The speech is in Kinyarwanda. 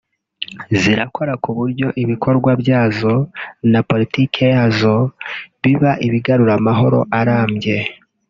zirakora ku buryo ibikorwa byazo na politiki yazo biba ibigarura amahoro arambye